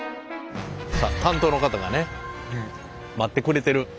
さあ担当の方がね待ってくれてる。